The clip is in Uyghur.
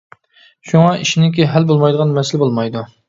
شۇنىڭغا ئىشىنىڭكى ھەل بولمايدىغان مەسىلە بولمايدۇ.